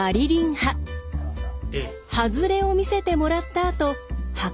ハズレを見せてもらったあと箱を変えます。